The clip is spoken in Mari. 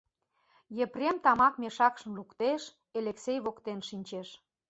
— Епрем тамак мешакшым луктеш, Элексей воктен шинчеш.